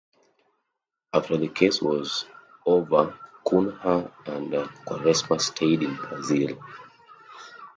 After the case was over Cunha and Quaresma stayed in Brazil.